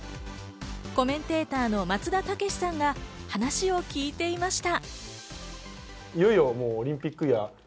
コメンテーターの松田丈志さんが話は聞いていました。